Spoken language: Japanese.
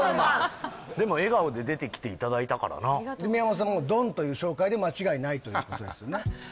でも笑顔で出てきていただいたからな宮本さんドンという紹介で間違いないということですね